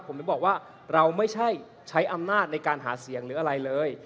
ผมถึงบอกว่าเราไม่ใช่ใช้อำนาจในการหาเสียงหรืออะไรเลย